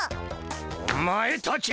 おまえたち！